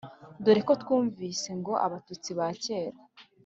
dore ko twumvise ngo abatutsi ba cyera